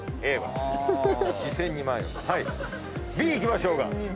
Ｂいきましょうか。